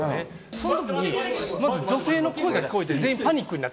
そのときに、まず女性の声が聞こえて、全員パニックになって。